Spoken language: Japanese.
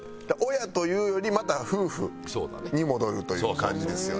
親というよりまた夫婦に戻るという感じですよね。